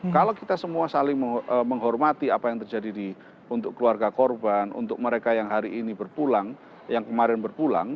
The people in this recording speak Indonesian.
kalau kita semua saling menghormati apa yang terjadi untuk keluarga korban untuk mereka yang hari ini berpulang yang kemarin berpulang